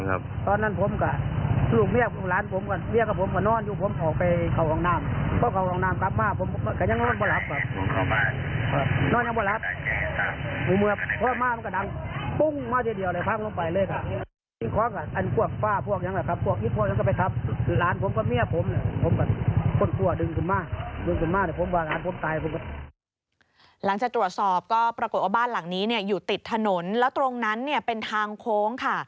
หลังจากตรวจสอบก็ปรากฏว่าบ้านหลังนี้อยู่ติดถนนแล้วตรงนั้นเนี่ยเป็นทางโค้งค่ะ